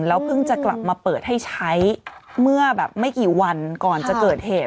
เพิ่งจะกลับมาเปิดให้ใช้เมื่อแบบไม่กี่วันก่อนจะเกิดเหตุ